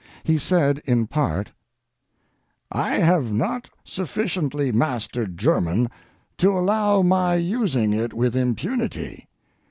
He said in part: I have not sufficiently mastered German, to allow my using it with impunity.